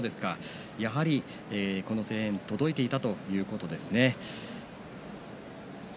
やはりこの声援が届いていたということですね。